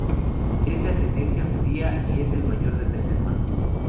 Es de ascendencia judía y es el mayor de tres hermanos.